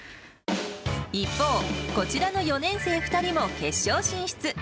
一方、こちらの４年生２人も決勝進出。